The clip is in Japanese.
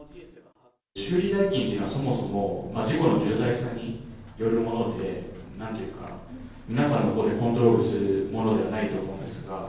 修理代金はそもそも事故の重大さによるもので、なんていうか、皆さんのほうでコントロールするものではないと思うんですが。